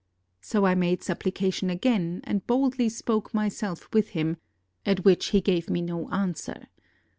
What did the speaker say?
So I made supplication again, and boldly spoke myself with him, at which he gave me no answer.